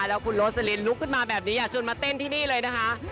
แล้วคุณโรสลินลุกขึ้นมาแบบนี้อยากชวนมาเต้นที่นี่เลยนะคะ